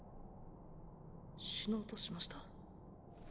死のうとしました。